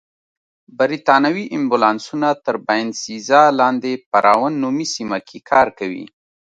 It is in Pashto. بریتانوي امبولانسونه تر باینسېزا لاندې په راون نومي سیمه کې کار کوي.